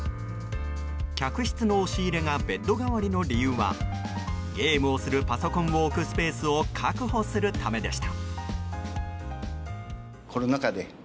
客室の押し入れがベッド代わりの理由はゲームをするパソコンを置くスペースを確保するためでした。